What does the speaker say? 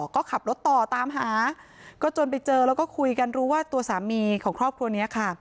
ก็ขับรถต่อตามหาก็จนไปเจอแล้วก็คุยกันรู้ว่าตัวสามีของครอบครัวนี้ค่ะ